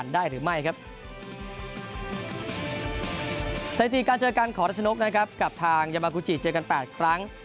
เดี๋ยวแนนไปเจอกันกว่าทางยามากูจิเจอกัน๘ครั้ง